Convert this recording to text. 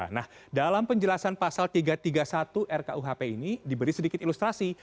nah dalam penjelasan pasal tiga ratus tiga puluh satu rkuhp ini diberi sedikit ilustrasi